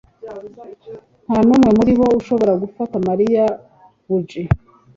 Nta n'umwe muri bo ushobora gufata Mariya buji.